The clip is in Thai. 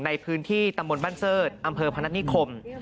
ในพื้นที่ตำบลบ้านเสิร์ธอำเภอพนัฐนิคม